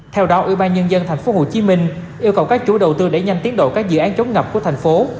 theo đó ưu ba nhân dân tp hcm yêu cầu các chủ đầu tư để nhanh tiến đổi các dự án chống ngập của thành phố